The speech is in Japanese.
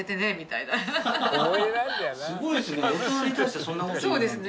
すごいですね